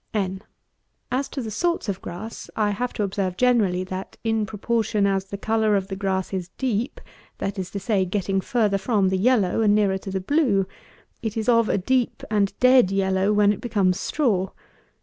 N. As to the sorts of grass, I have to observe generally, that in proportion as the colour of the grass is deep; that is to say, getting further from the yellow, and nearer to the blue, it is of a deep and dead yellow when it becomes straw.